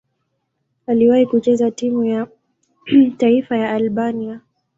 Aliwahi kucheza timu ya taifa ya Albania.